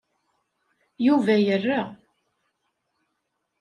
Yuba yerra.